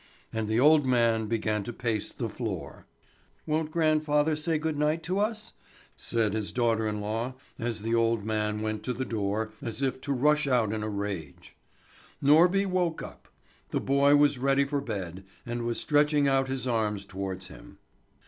And the old man began to pace the floor. "Won't grandfather say good night to us?" said his daughter in law, as the old man went to the door as if about to rush out in a rage. Norby woke up. The boy was ready for bed, and was stretching out his arms towards him.